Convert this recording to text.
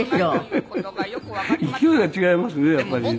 勢いが違いますねやっぱり。